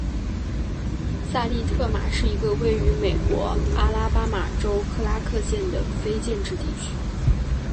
萨利特帕是一个位于美国阿拉巴马州克拉克县的非建制地区。